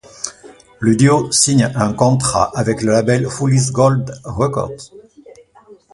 Le duo signe un contrat avec le label Fool's Gold Records.